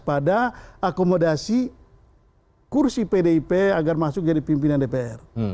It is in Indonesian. pada akomodasi kursi pdip agar masuk jadi pimpinan dpr